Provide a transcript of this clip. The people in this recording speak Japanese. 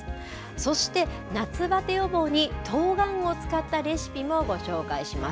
そして、夏バテ予防にとうがんを使ったレシピもご紹介します。